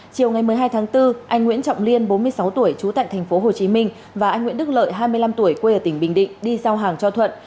chiều ngày một mươi hai tháng bốn anh nguyễn trọng liên bốn mươi sáu tuổi trú tại tp hcm và anh nguyễn đức lợi hai mươi năm tuổi quê ở tỉnh bình định đi giao hàng cho thuận